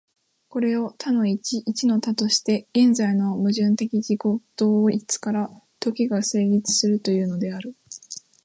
これを多の一、一の多として、現在の矛盾的自己同一から時が成立するというのである。